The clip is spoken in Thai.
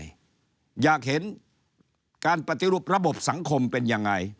อยากเห็นการปฏิรูประบบสังคมเป็นยังไง